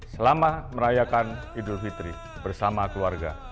selama merayakan idul fitri bersama keluarga